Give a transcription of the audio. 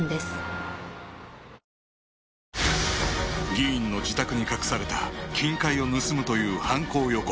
議員の自宅に隠された金塊を盗むという犯行予告